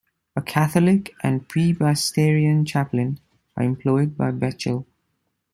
A Catholic and a Presbyterian chaplain are employed by Bechtel.